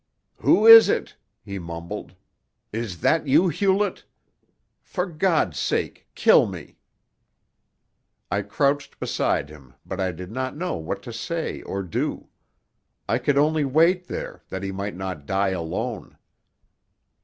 "Who is it?" he mumbled. "Is that you, Hewlett? For God's sake, kill me!" I crouched beside him, but I did not know what to say or do. I could only wait there, that he might not die alone.